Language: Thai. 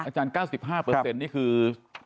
อออาจารย์๙๕นี่คือ๔๐๐